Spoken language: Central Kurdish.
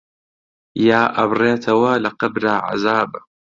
یا ئەبڕێتەوە لە قەبرا عەزاب